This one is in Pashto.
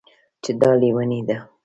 چې دا لېونۍ ده